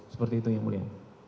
seperti itu ya mulia